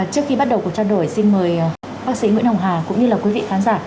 trước khi bắt đầu cuộc trao đổi xin mời bác sĩ nguyễn hồng hà cũng như là quý vị khán giả